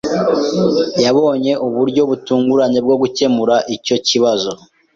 Yabonye uburyo butunguranye bwo gukemura icyo kibazo.